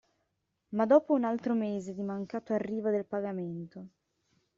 Ma dopo un altro mese di mancato arrivo del pagamento.